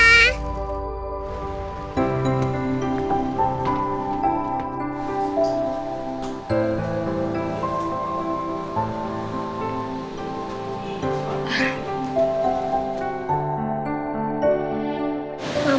hooray ketemu mama